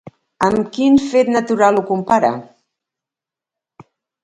Amb quin fet natural ho compara?